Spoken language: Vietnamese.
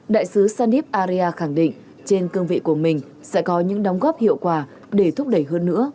đại sứ sandib aria khẳng định trên cương vị của mình sẽ có những đóng góp hiệu quả để thúc đẩy hơn nữa